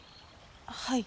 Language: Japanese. はい。